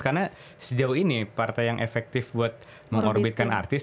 karena sejauh ini partai yang efektif untuk mengorbitkan artis